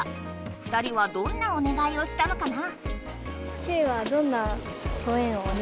２人はどんなお願いをしたのかな？